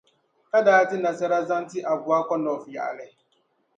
Ka daa di nasara zaŋti Abuakwa North yaɣili.